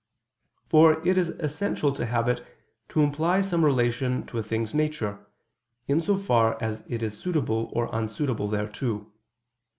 For it is essential to habit to imply some relation to a thing's nature, in so far as it is suitable or unsuitable thereto.